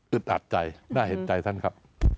อัดใจน่าเห็นใจท่านครับ